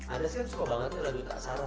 adres kan suka banget tuh lagu taksarah